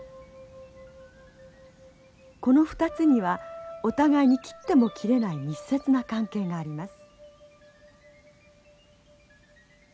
この２つにはお互いに切っても切れない密接な関係があります。